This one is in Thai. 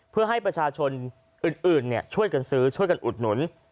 เพื่อให้ประชาชนอื่นช่วยกันซื้อช่วยกันอุดหนุน